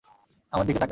আমার দিকে তাকা!